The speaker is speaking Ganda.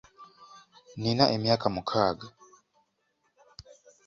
Nnina emyaka mukaaga.